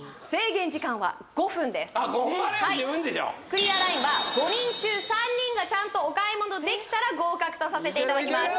クリアラインは５人中３人がちゃんとお買い物できたら合格とさせていただきます